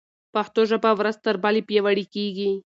پښتو ژبه ورځ تر بلې پیاوړې کېږي.